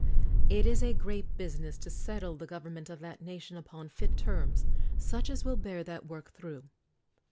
It is a great business to settle the government of that nation upon fit terms, such as will bear that work through.